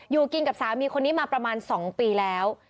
อยู่กินกับสามีคนนี้มาประมาณ๒ปีแล้ว